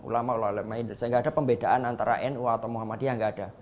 gak ada pembedaan antara nu atau muhammadiyah